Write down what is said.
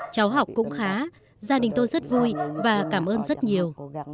cháu học cũng khá gia đình tôi rất vui và cảm ơn rất nhiều